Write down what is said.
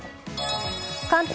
関東